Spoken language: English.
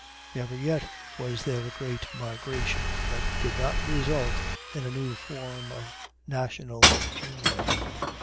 "Never yet was there a great migration that did not result in a new form of national genius."